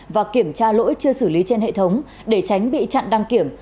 và kiểm tra lỗi chưa xử lý trên hệ thống để tránh bị chặn đăng kiểm